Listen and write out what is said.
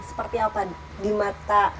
seperti apa di mata